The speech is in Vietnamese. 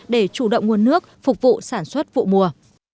để chủ động nguồn nước phục vụ sản xuất vụ mùa